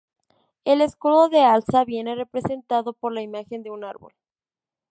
El escudo de Alza viene representado por la imagen de un árbol.